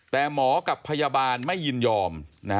แต่หมอกับพยาบาลไม่ยินยอม